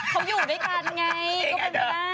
เขาอยู่ด้วยกันไงก็เป็นไปได้